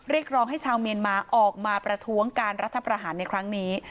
เรียกร้องให้ชาวเมียนมาออกมาประท้วงการรัฐประหารในครั้งนี้